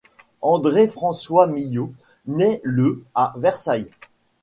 André-François Miot naît le à Versailles.